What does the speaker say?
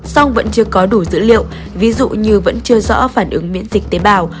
song vẫn chưa có đủ dữ liệu ví dụ như vẫn chưa rõ phản ứng miễn dịch tế bào